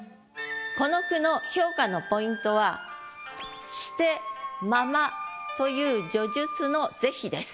この句の評価のポイントは「して」「まま」という叙述の是非です。